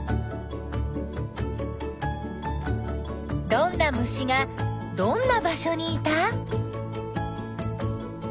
どんな虫がどんな場所にいた？